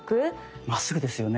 まっすぐですよね。